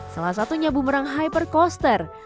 salah satunya bumerang hypercoaster